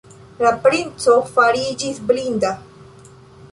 La princo fariĝis blinda.